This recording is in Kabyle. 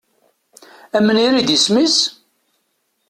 Amnir i d isem-is?